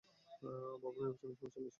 বাবু, নির্বাচনের সময় চলে এসেছে।